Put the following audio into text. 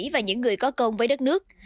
và những người có công với đất nước